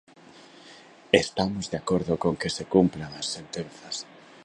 Estamos de acordo con que se cumpran as sentenzas.